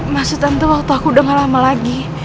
maksud tante waktu aku sudah nggak lama lagi